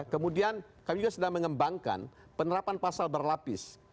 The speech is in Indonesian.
kemudian kami juga sedang mengembangkan penerapan pasal berlapis